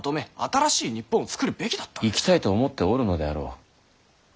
行きたいと思っておるのであろう？